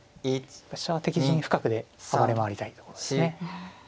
飛車は敵陣深くで暴れ回りたいところですね。